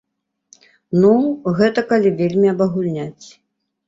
Ну, гэта калі вельмі абагульняць.